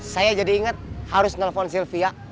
saya jadi ingat harus nelfon sylvia